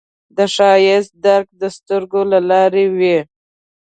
د ښایست درک د سترګو له لارې وي